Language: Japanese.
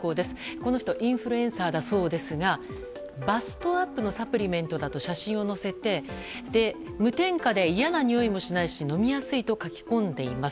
この人はインフルエンサーだそうですがバストアップのサプリメントだと写真を載せて無添加で嫌なにおいもしないし飲みやすいと書き込んでいます。